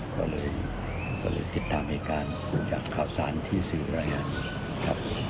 ก็เลยติดตามเหตุการณ์จากข่าวสารที่สื่อรายงานครับ